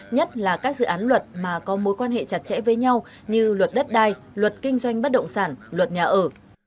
nhất là các dự án luật mà có mối quan hệ chặt chẽ với nhau như luật đất đai luật kinh doanh bất động sản luật nhà ở